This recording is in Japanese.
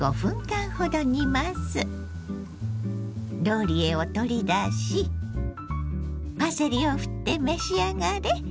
ローリエを取り出しパセリをふって召し上がれ。